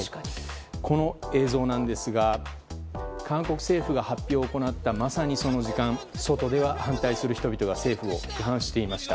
この映像なんですが韓国政府が発表を行ったまさにその時間、外では反対する人々が政府を批判していました。